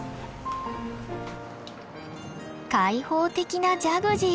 開放的なジャグジー。